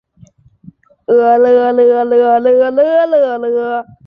薄荷醇等多种成分有明显的利胆作用。